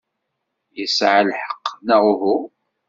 Yesɛa lḥeqq, neɣ uhu?